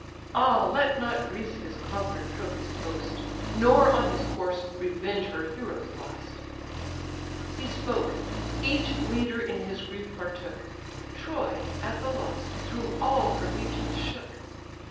Ah let not Greece his conquer'd trophies boast, Nor on his corse revenge her heroes lost!" He spoke: each leader in his grief partook: Troy, at the loss, through all her legions shook.